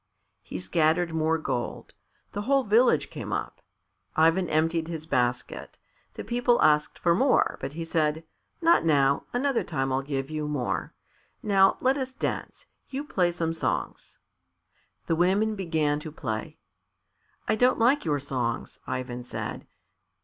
He scattered more gold. The whole village came up. Ivan emptied his basket. The people asked for more, but he said, "Not now; another time I'll give you more. Now let us dance. You play some songs." The women began to play. "I don't like your songs," Ivan said.